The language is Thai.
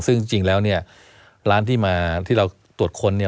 ซึ่งจริงแล้วร้านที่มาที่เราตรวจค้น